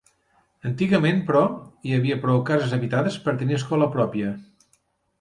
Antigament, però, hi havia prou cases habitades per tenir escola pròpia.